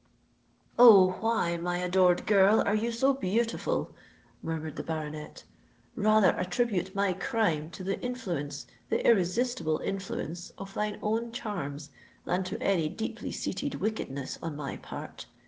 "Oh! why, my adored girl, are you so beautiful?" murmured the baronet: "rather attribute my crime to the influence—the irresistible influence of thine own charms, than to any deeply seated wickedness on my part!